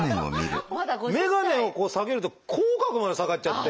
眼鏡を下げると口角まで下がっちゃって。